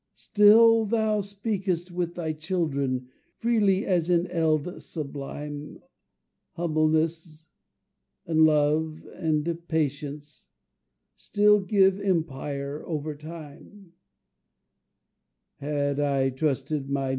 "Still thou speakest with thy children Freely as in eld sublime; Humbleness, and love, and patience, Still give empire over time.